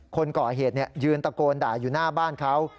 คนก่อเหตุยืนตะโกนด่าอยู่หน้าบ้านเขา